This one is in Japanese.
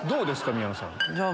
宮野さん。